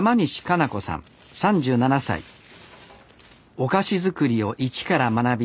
お菓子作りを一から学び